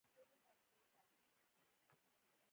سیاسي پناه ورکړې ده.